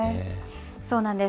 そうなんです。